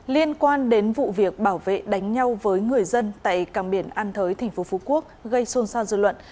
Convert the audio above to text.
liên quan đến vụ việc bảo vệ đánh nhau với người dân tại càng biển an thới tp hcm gây xôn xa dư luận